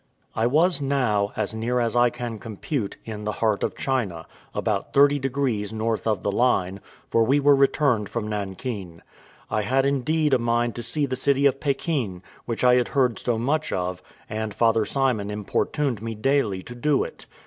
I was now, as near as I can compute, in the heart of China, about thirty degrees north of the line, for we were returned from Nankin. I had indeed a mind to see the city of Pekin, which I had heard so much of, and Father Simon importuned me daily to do it.